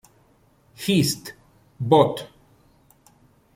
Hist., Bot.